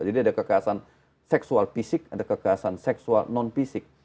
ada kekerasan seksual fisik ada kekerasan seksual non fisik